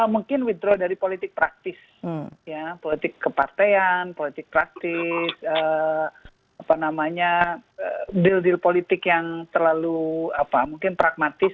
mungkin withdraw dari politik praktis politik kepartean politik praktis deal deal politik yang terlalu pragmatis